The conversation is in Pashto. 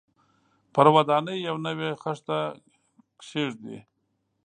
پر ودانۍ یوه نوې خښته کېږدي.